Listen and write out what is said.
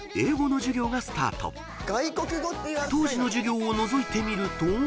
［当時の授業をのぞいてみると］